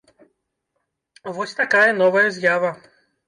Вось такая новая з'ява.